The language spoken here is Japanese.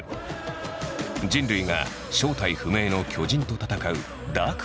人類が正体不明の巨人と戦うダークファンタジーだ。